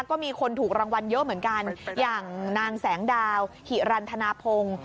ก็มีคนถูกรางวัลเยอะเหมือนกันอย่างนางแสงดาวหิรันทนาพงศ์